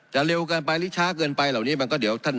เร็วเกินไปหรือช้าเกินไปเหล่านี้มันก็เดี๋ยวท่าน